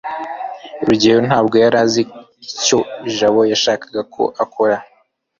rugeyo ntabwo yari azi icyo jabo yashakaga ko akora